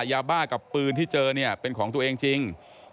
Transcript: ยาบ้ากับปืนที่เจอเนี่ยเป็นของตัวเองจริง